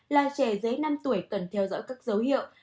là trẻ dưới năm tuổi cần theo dõi các dấu hiệu